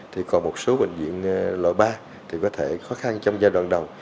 thì còn một số bệnh viện loại ba thì có thể khó khăn trong giai đoạn đầu